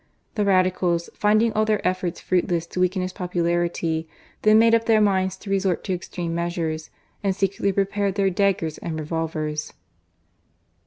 The Radicals, finding all their efforts fruitless to weaken his popularity, then made up their minds to resort to extreme measures, and secretly prepared their daggers and revolvers.